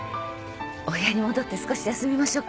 お部屋に戻って少し休みましょうか。